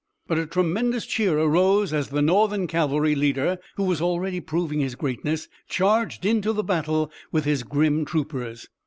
But a tremendous cheer arose as the Northern cavalry leader, who was already proving his greatness, charged into the battle with his grim troopers.